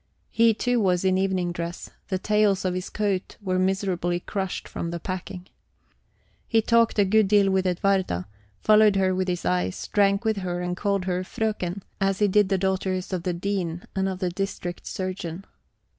He, too, was in evening dress; the tails of his coat were miserably crushed from the packing. He talked a good deal with Edwarda, followed her with his eyes, drank with her, and called her Fröken, as he did the daughters of the Dean and of the district surgeon.